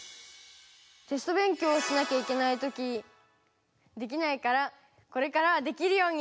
テスト勉強しなきゃいけないときできないからこれからはできるようになる！